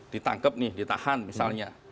ditangkep nih ditahan misalnya